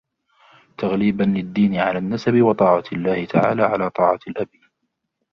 تَغْلِيبًا لِلدِّينِ عَلَى النَّسَبِ وَطَاعَةِ اللَّهِ تَعَالَى عَلَى طَاعَةِ الْأَبِ